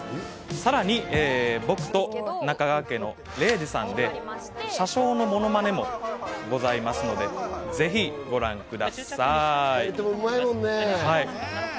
さらに僕と中川家の礼二さんで車掌のモノマネもございますのでぜひご覧ください。